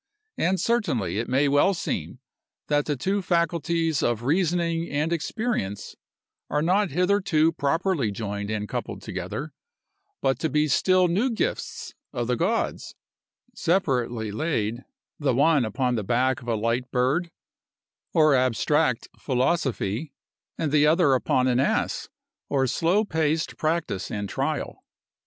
And certainly it may well seem, that the two faculties of reasoning and experience are not hitherto properly joined and coupled together, but to be still new gifts of the gods, separately laid, the one upon the back of a light bird, or abstract philosophy, and the other upon an ass, or slow paced practice and trial.